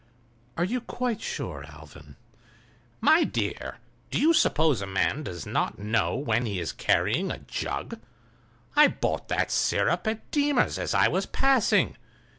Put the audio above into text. "Are you quite sure, Alvan?" "My dear, do you suppose a man does not know when he is carrying a jug? I bought that sirup at Deemer's as I was passing.